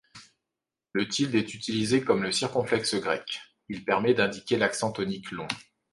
Le tilde est utilisé comme le circonflexe grec, il permet d’indiquer l’accent tonique long.